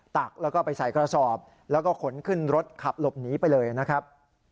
ตักแล้วก็ไปใส่กระสอบแล้วก็ขนขึ้นรถขับหลบหนีไปเลยนะครับ